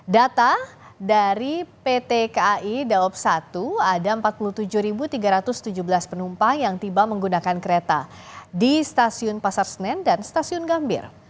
data dari pt kai daob satu ada empat puluh tujuh tiga ratus tujuh belas penumpang yang tiba menggunakan kereta di stasiun pasar senen dan stasiun gambir